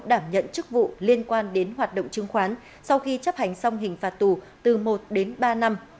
đảm nhận chức vụ liên quan đến hoạt động chứng khoán sau khi chấp hành xong hình phạt tù từ một đến ba năm